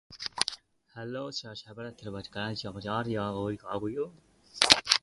Joe manages to defeat Mikio.